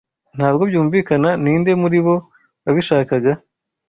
Ntabwo byumvikana ninde muri bo wabishakaga.